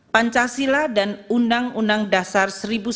pancasila dan undang undang dasar seribu sembilan ratus empat puluh